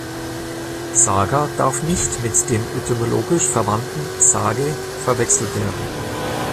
Saga darf nicht mit dem etymologisch verwandten Sage verwechselt werden.